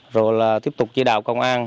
rồi là tiếp tục chỉ đạo công an